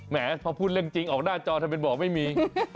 แหมพอพูดเรื่องจริงออกหน้าจอทำไมบอกไม่มี